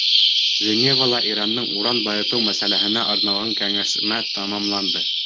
Женевала Ирандың уран байытыу мәсьәләһенә арналған кәңәшмә тамамланды.